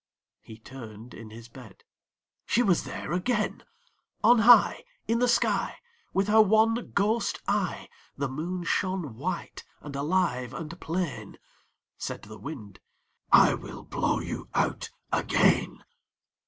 He turned in his bed; she was there again! On high In the sky With her one ghost eye, The Moon shone white and alive and plain. Said the Wind "I will blow you out again."